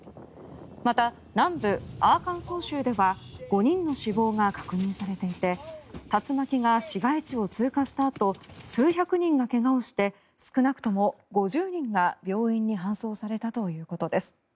また、南部アーカンソー州では５人の死亡が確認されていて竜巻が市街地を通過したあと数百人が怪我をして少なくとも５０人が病院に搬送されたということです。